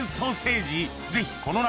ぜひこの夏